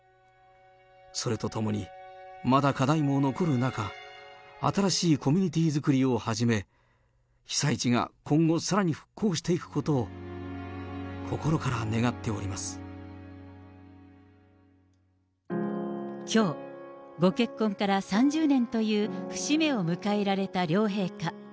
それとともに、まだ課題も残る中、新しいコミュニティー作りをはじめ、被災地が今後さらに復興してきょう、ご結婚から３０年という節目を迎えられた両陛下。